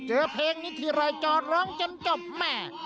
เจอเพลงนี้ทีไรจอดร้องจนจบแม่